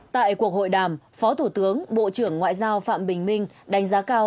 tại cuộc hội đàm phó thủ tướng bộ trưởng ngoại giao phạm bình minh đánh giá cao